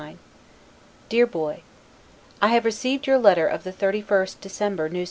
DEAR BOY: I have received your letter of the 31st December, N. S.